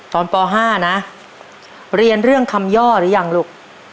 ป๕นะเรียนเรื่องคำย่อหรือยังลูก